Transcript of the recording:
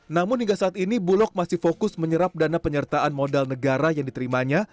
namun hingga saat ini bulog masih fokus menyerap dana penyertaan modal negara yang diterimanya